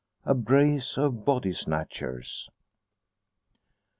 A BRACE OF BODY SNATCHERS.